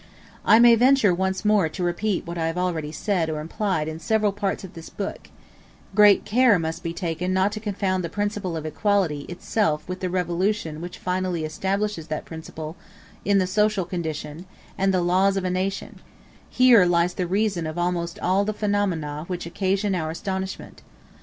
I may venture once more to repeat what I have already said or implied in several parts of this book: great care must be taken not to confound the principle of equality itself with the revolution which finally establishes that principle in the social condition and the laws of a nation: here lies the reason of almost all the phenomena which occasion our astonishment.